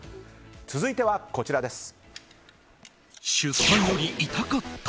続いてはこちらです。